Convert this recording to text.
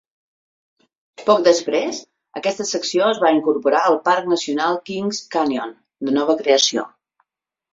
Poc després, aquesta secció es va incorporar al Parc Nacional Kings Canyon de nova creació.